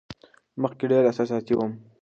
مخکې ډېره احساساتي وم.